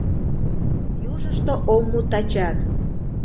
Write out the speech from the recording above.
Южышто ом му тачат.